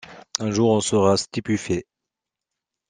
Un jour on sera stupéfait.